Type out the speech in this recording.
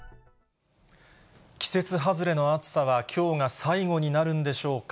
季節外れの暑さはきょうが最後になるんでしょうか。